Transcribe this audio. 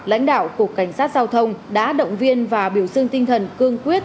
lãnh đạo cục cảnh sát giao thông đã động viên và biểu dương tinh thần cương quyết